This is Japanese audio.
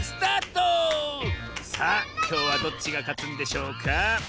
さあきょうはどっちがかつんでしょうか？